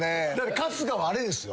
春日はあれですよ。